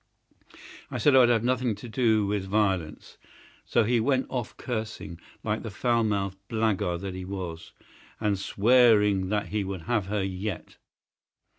I said I would have nothing to do with violence. So he went off cursing, like the foul mouthed blackguard that he was, and swearing that he would have her yet.